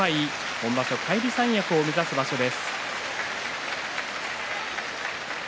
今場所、返り三役を目指す場所です。